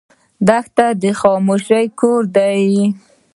دښته د خاموشۍ کور دی.